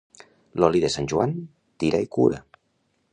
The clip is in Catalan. L'oli de Sant Joan, tira i cura.